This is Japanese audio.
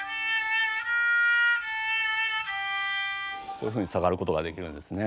こういうふうに下がることができるんですね。